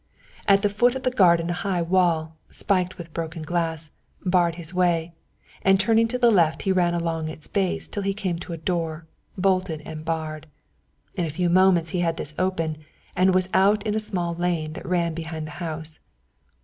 At the foot of the garden a high wall, spiked with broken glass, barred his way, and turning to the left he ran along at its base till he came to a door, bolted and barred. In a few moments he had this open, and was out in a small lane that ran behind the house.